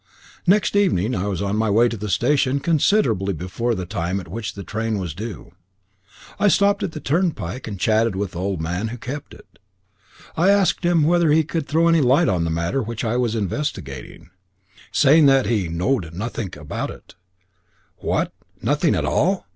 Next evening I was on my way to the station considerably before the time at which the train was due. I stopped at the turnpike and chatted with the old man who kept it. I asked him whether he could throw any light on the matter which I was investigating. He shrugged his shoulders, saying that he "knowed nothink about it." "What! Nothing at all?"